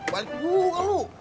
balik dulu ke lo